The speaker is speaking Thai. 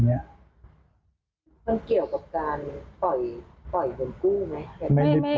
มันเกี่ยวกับการปล่อยเงินกู้ไหม